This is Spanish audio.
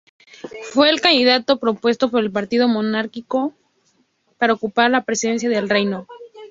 Fue el candidato propuesto por el partido monárquico para ocupar la Presidencia del Reyno.